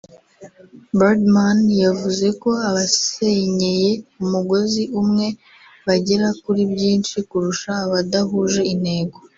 Birdman yavuze ko abasenyeye umugozi umwe bagera kuri byinshi kurusha abadahuje intego